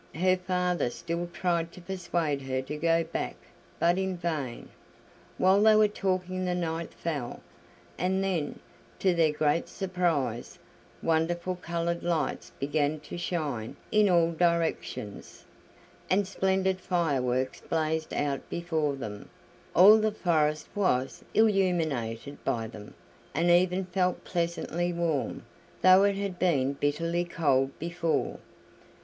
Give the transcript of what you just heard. Her father still tried to persuade her to go back, but in vain. While they were talking the night fell, and then, to their great surprise, wonderful colored lights began to shine in all directions, and splendid fireworks blazed out before them; all the forest was illuminated by them, and even felt pleasantly warm, though it had been bitterly cold before.